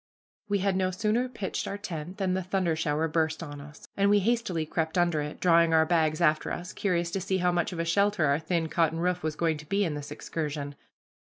We had no sooner pitched our tent than the thunder shower burst on us, and we hastily crept under it, drawing our bags after us, curious to see how much of a shelter our thin cotton roof was going to be in this excursion.